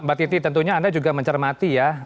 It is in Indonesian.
mbak titi tentunya anda juga mencermati ya